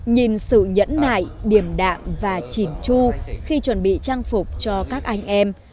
nhìn sự nhẫn nảy điềm đạm và chìm chu khi chuẩn bị trang phục cho các anh em